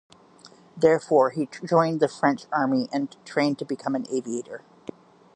Therefore, he joined the French army and trained to become an aviator.